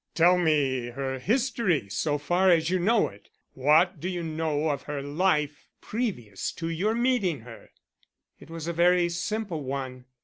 "Tell me her history so far as you know it. What do you know of her life previous to your meeting her?" "It was a very simple one.